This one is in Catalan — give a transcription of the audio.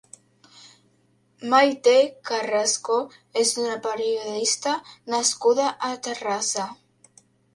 Mayte Carrasco és una periodista nascuda a Terrassa.